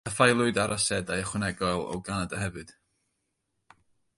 Caffaelwyd ar asedau ychwanegol o Ganada hefyd.